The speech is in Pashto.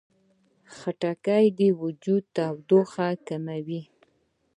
خټکی د وجود تودوخه کموي.